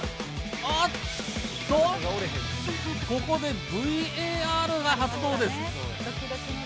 おっと、ここでＶＡＲが発動です。